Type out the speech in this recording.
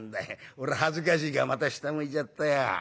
俺恥ずかしいからまた下向いちゃったよ。